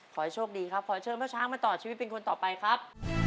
ขอให้โชคดีครับขอเชิญพ่อช้างมาต่อชีวิตเป็นคนต่อไปครับ